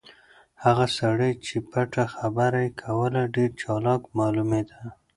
هغه سړی چې پټه خبره یې کوله ډېر چالاک معلومېده.